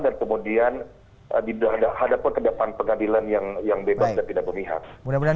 dan kemudian dihadapi kedepan pengadilan yang bebas dan tidak memihak